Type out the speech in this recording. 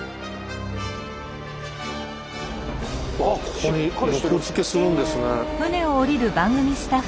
ここに横付けするんですね。